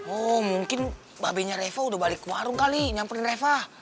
oh mungkin babinya reva udah balik ke warung kali nyamperin reva